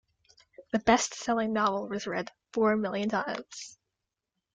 The bestselling novel was read four million times.